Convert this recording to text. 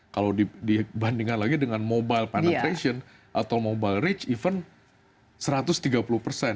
kalau dibandingkan lagi dengan mobile penetration atau mobile rich even satu ratus tiga puluh persen